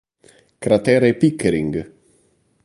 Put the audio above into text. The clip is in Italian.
Cratere Pickering